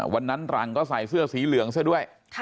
วันนั้นหลังก็ใส่เสื้อสีเหลืองเสื้อด้วย